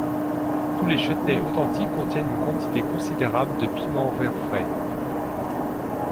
Tous les chutneys authentiques contiennent une quantité considérable de piments verts frais.